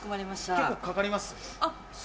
結構かかります？